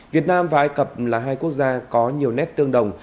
việt nam và ai cập là hai quốc gia có nhiều nét tương đồng